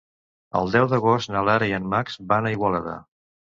El deu d'agost na Lara i en Max van a Igualada.